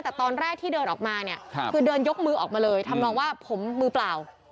แต่ตอนแรกที่เดินออกมาเนี่ยคือเดินยกมือออกมาเลยทำนองว่าผมมือเปล่า